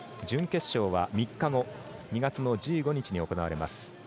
準決勝は、３日後２月の１５日に行われます。